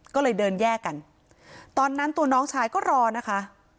ก็เลยเดินแยกกันตอนนั้นตัวน้องชายก็รอนะคะ